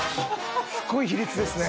すごい比率ですね。